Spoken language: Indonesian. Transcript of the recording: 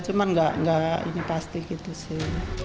cuman nggak ini pasti gitu sih